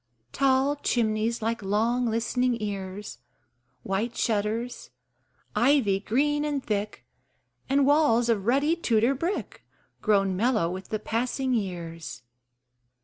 Tall chimneys, like long listening ears, White shutters, ivy green and thick, And walls of ruddy Tudor brick Grown mellow with the passing years.